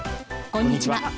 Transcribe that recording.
こんにちは。